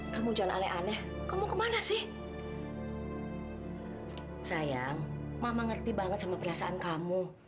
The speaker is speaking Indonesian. kamu jangan aneh aneh kamu kemana sih sayang mama ngerti banget sama perasaan kamu